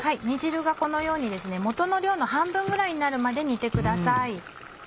煮汁がこのように元の量の半分ぐらいになるまで煮てください。